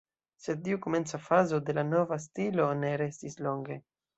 Sed tiu komenca fazo de la nova stilo ne restis longe.